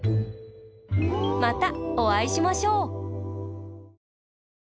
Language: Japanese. またおあいしましょう！